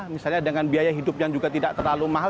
misalnya dengan biaya hidup yang juga tidak terlalu mahal